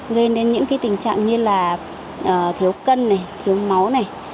gây đến những tình trạng như thiếu cân thiếu máu